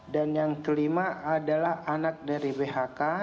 dan yang kelima adalah anak dari bhk